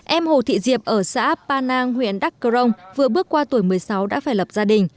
em hồ thị diệp ở xã pa nang huyện đắc cơ rông vừa bước qua tuổi một mươi sáu đã phải lập gia đình